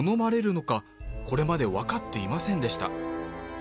これまで分かっていませんでした